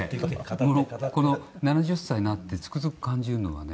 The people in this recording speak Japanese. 谷村：この７０歳になってつくづく感じるのはね